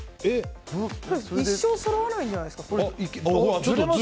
一生そろわないんじゃないですか。